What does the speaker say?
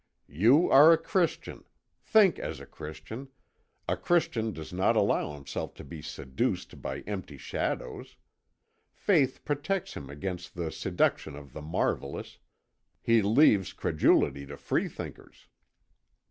"You are a Christian: think as a Christian, a Christian does not allow himself to be seduced by empty shadows. Faith protects him against the seduction of the marvellous, he leaves credulity to freethinkers.